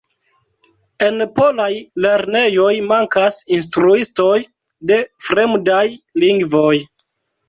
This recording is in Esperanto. En polaj lernejoj mankas instruistoj de fremdaj lingvoj.